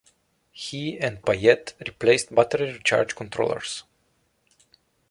He and Payette replaced battery recharge controllers.